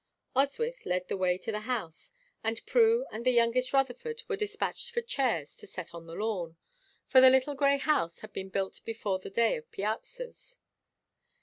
Oswyth led the way to the house, and Prue and the youngest Rutherford were dispatched for chairs to set on the lawn, for the little grey house had been built before the day of piazzas.